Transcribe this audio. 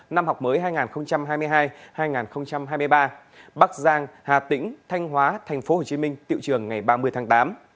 năm học mới hai nghìn hai mươi hai hai nghìn hai mươi ba bắc giang hà tĩnh thanh hóa tp hcm tiệu trường ngày ba mươi tháng tám